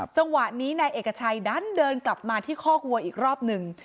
จังหวะนี้นายเอกชัยดันเดินกลับมาที่คอกวัวอีกรอบหนึ่ง